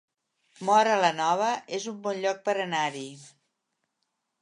Móra la Nova es un bon lloc per anar-hi